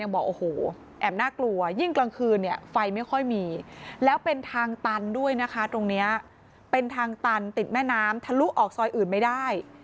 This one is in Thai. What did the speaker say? แบบนี้เป็นทางตันติดแม่น้ำทะลุออกซอยอื่นไม่ได้